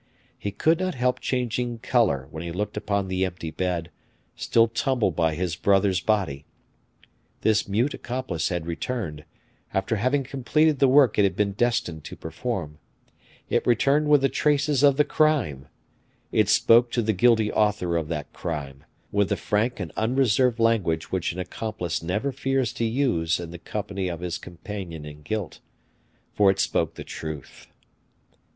He could not help changing color when he looked upon the empty bed, still tumbled by his brother's body. This mute accomplice had returned, after having completed the work it had been destined to perform; it returned with the traces of the crime; it spoke to the guilty author of that crime, with the frank and unreserved language which an accomplice never fears to use in the company of his companion in guilt; for it spoke the truth.